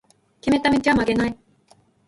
決めた道は曲げない